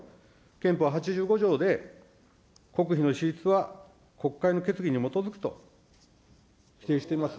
憲法８５条で、国費の支出は国会の決議に基づくと規定しています。